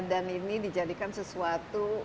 dan ini dijadikan sesuatu